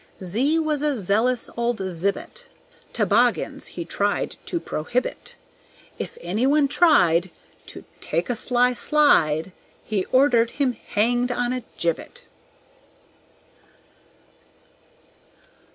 Z was a zealous old Zibet, Toboggans he tried to prohibit. If any one tried To take a sly slide, He ordered him hanged on a gibbet.